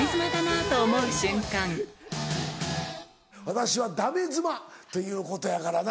「私はダメ妻」ということやからな。